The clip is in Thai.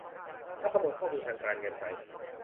แล้วขโมยข้อมูลทางการเงินไป